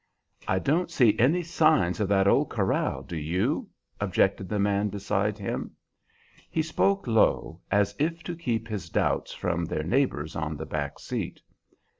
"I don't see any signs of that old corral, do you?" objected the man beside him. He spoke low, as if to keep his doubts from their neighbors on the back seat.